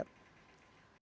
yang mau jadi dokter mana